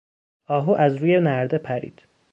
آهو از روی نرده پرید.